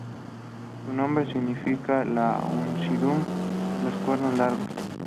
Su nombre significa "la "Oncidium" de cuernos largos".